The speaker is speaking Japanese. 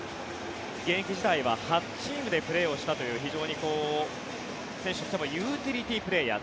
現役時代は８チームでプレーしたという非常に選手としてもユーティリティープレーヤー。